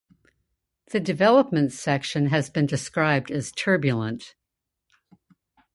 The development section has been described as turbulent.